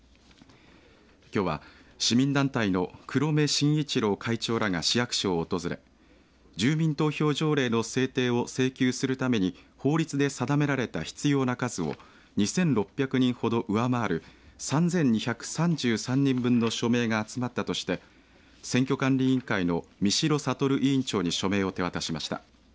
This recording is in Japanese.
きょうは、市民団体の黒目伸一郎会長らが市役所を訪れ住民投票条例の制定を請求するために法律で定められた必要な数を２６００ほど上回る３２３３人分の署名が集まったとして選挙管理委員会の三代智委員長に署名を手渡しました。